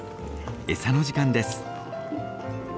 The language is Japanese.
餌の時間です。